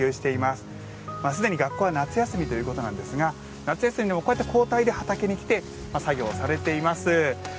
すでに学校は夏休みということなんですが夏休みにもこうやって交代で畑に来て作業をされています。